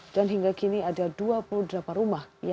dan hingga kini ada dua puluh derapa rumah